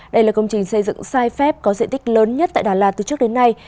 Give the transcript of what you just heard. đây là công trình xây dựng sai phép có diện tích lớn nhất tại đà lạt từ trước đến nay